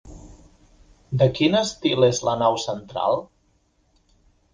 De quin estil és la nau central?